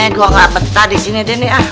ini gue gak betah disini deh nih ah